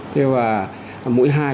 thế và mũi hai